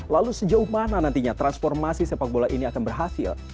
lalu sejauh mana nantinya transformasi sepak bola ini akan berhasil